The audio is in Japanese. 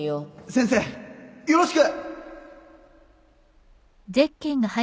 先生よろしく！